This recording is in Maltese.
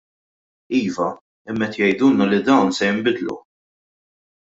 Iva, imma qed jgħidulna li dawn se jinbidlu.